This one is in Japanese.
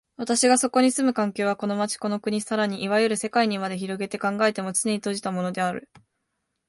私がそこに住む環境は、この町、この国、更にいわゆる世界にまで拡げて考えても、つねに閉じたものである。